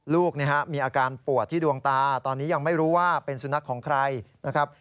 ลูกมีอาการปวดที่ดวงตาตอนนี้ยังไม่รู้ว่าเป็นสุนัขของใครนะครับ